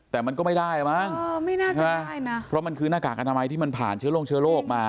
แต่มันก็ไม่ได้มั้งไม่น่าจะไม่ได้นะเพราะมันคือหน้ากากอนามัยที่มันผ่านเชื้อโรคเชื้อโรคมา